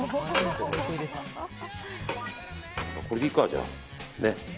これでいいか、じゃあ。